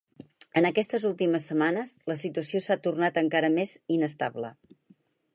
En aquestes últimes setmanes, la situació s’ha tornat encara més inestable.